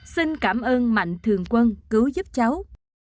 xin cảm ơn mạnh thường quân cứu giúp cháu